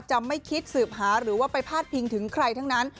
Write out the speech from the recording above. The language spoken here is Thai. จะไม่คิดสืบหาหรือว่าไปพาดพิงถึงใครทั้งนั้น